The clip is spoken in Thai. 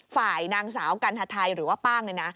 ฝ่ายนางสาวกัณฑไทยหรือว่าป้างเนี่ยนะ